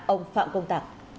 ông phạm công tạc